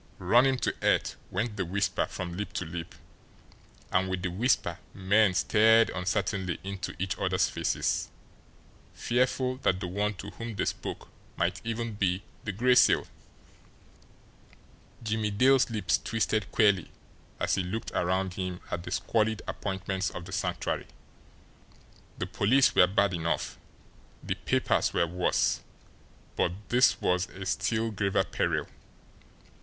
Run him to earth!" went the whisper from lip to lip; and with the whisper men stared uncertainly into each other's faces, fearful that the one to whom they spoke might even be the Gray Seal! Jimmie Dale's lips twisted queerly as he looked around him at the squalid appointments of the Sanctuary. The police were bad enough, the papers were worse; but this was a still graver peril.